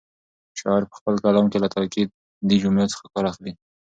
شاعر په خپل کلام کې له تاکېدي جملو څخه کار اخلي.